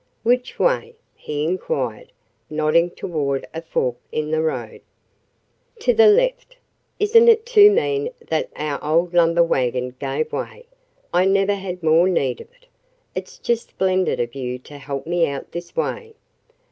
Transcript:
"Which way?" he inquired, nodding toward a fork in the road. "To the left. Isn't it too mean that our old lumber wagon gave way? I never had more need of it. It's just splendid of you to help me out this way."